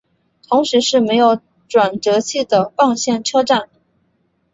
同时是没有转辙器的棒线车站。